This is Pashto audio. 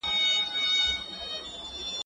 زه مخکي کاغذ ترتيب کړي وو،